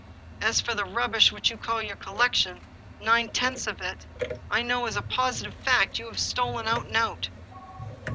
As for the rubbish which you call your collection, nine tenths of it, I know as a positive fact, you have stolea out and out."